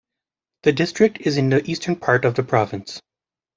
The district is in the eastern part of the province.